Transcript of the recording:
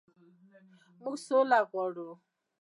موږ سوله غواړو